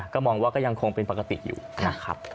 ก็มองว่าก็ยังคงเป็นปกติอยู่นะครับ